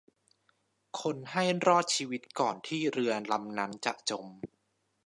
คนให้รอดชีวิตก่อนที่เรือลำนั้นจะจม